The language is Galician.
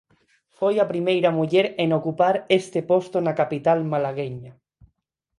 Foi a primeira muller en ocupar este posto na capital malagueña.